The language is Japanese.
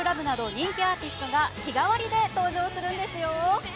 人気アーティストが日替わりで登場するんですよ。